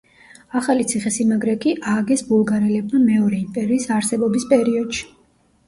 ახალი ციხესიმაგრე კი ააგეს ბულგარელებმა მეორე იმპერიის არსებობის პერიოდში.